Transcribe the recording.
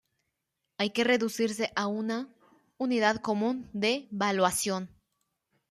Hay que reducirse a una "unidad común de valuación".